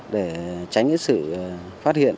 để tránh sự phát hiện